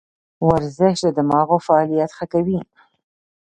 ورزش د دماغو فعالیت ښه کوي.